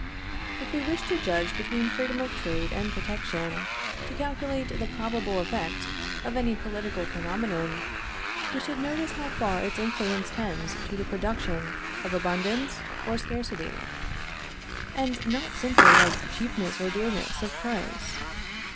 If we wish to judge between freedom of trade and protection, to calculate the probable effect of any political phenomenon, we should notice how far its influence tends to the production of abundance or scarcity, and not simply of cheapness or dearness of price.